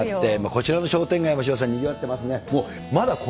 こちらの商店街も渋谷さん、にぎわってますね。